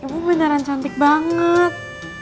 ibu beneran cantik banget